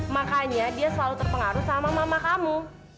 makanya dia selalu terpengaruh sama mama kamu